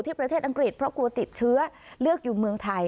ประเทศอังกฤษเพราะกลัวติดเชื้อเลือกอยู่เมืองไทย